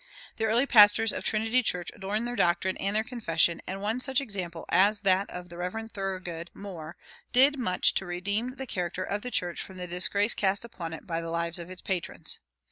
The early pastors of Trinity Church adorned their doctrine and their confession, and one such example as that of the Rev. Thoroughgood Moor did much to redeem the character of the church from the disgrace cast upon it by the lives of its patrons.